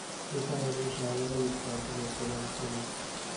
می توانید این شلوار را یک سانتی متر بلند کنید؟